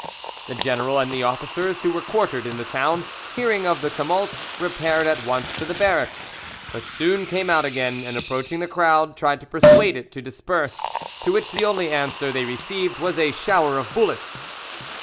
The general and the officers who were quartered in the town, hearing of the tumult, repaired at once to the barracks, but soon came out again, and approaching the crowd tried to persuade it to disperse, to which the only answer they received was a shower of bullets.